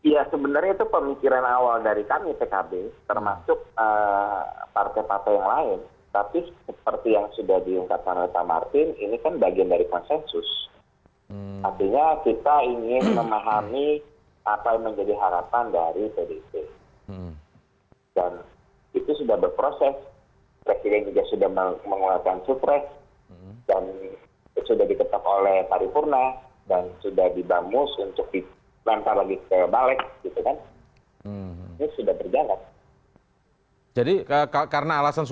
ya sebenarnya itu pemikiran awal